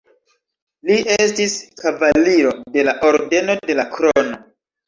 Li estis kavaliro de la Ordeno de la Krono.